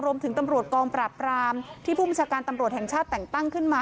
ตำรวจกองปราบรามที่ผู้บัญชาการตำรวจแห่งชาติแต่งตั้งขึ้นมา